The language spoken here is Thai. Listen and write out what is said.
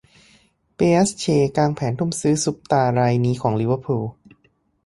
เปแอสเช กางแผนทุ่มซื้อซุปตาร์รายนี้ของ ลิเวอร์พูล